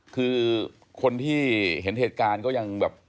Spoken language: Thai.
คือคนที่เห็นเหตุการณ์ก็ยังแบบ